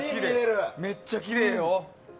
めっちゃきれいよ。